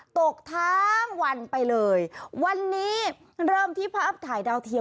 ตกทั้งวันไปเลย